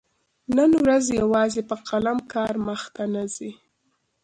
نن ورځ يوازي په قلم کار مخته نه ځي.